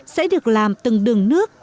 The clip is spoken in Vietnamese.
sẽ được làm từng đường nước